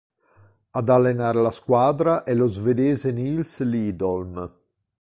Ad allenare la squadra è lo svedese Nils Liedholm.